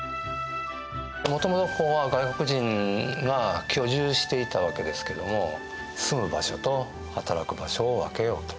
もともとここは外国人が居住していたわけですけども住む場所と働く場所を分けようと。